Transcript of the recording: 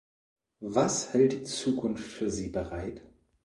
Was hält die Zukunft für sie bereit?